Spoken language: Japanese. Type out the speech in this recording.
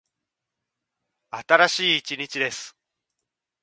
新しい一日です。